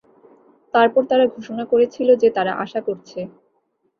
তারপর তারা ঘোষণা করেছিল যে তারা আশা করছে।